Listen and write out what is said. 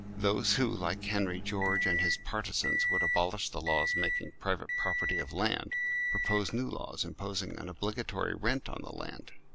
Those who, like Henry George and his partisans, would abolish the laws making private property of land, propose new laws im posing an obligatory rent on the land.